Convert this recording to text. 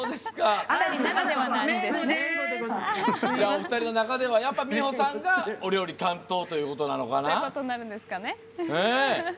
お二人の中では、美穂さんがお料理担当ということなのかな。